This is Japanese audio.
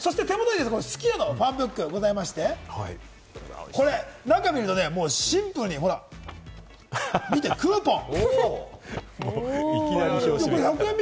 すき家のファンブックがありまして、これ、中を見るとシンプルに、見て、クーポン。